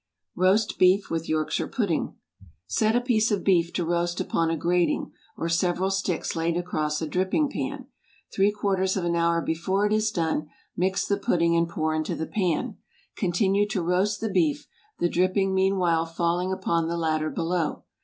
ROAST BEEF WITH YORKSHIRE PUDDING. ✠ Set a piece of beef to roast upon a grating, or several sticks laid across a dripping pan. Three quarters of an hour before it is done, mix the pudding and pour into the pan. Continue to roast the beef, the dripping meanwhile falling upon the latter below.